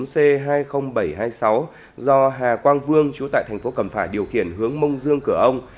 xe ô tô một mươi bốn c hai mươi nghìn bảy trăm hai mươi sáu do hà quang vương chủ tại thành phố cẩm phả điều khiển hướng mông dương cửa ông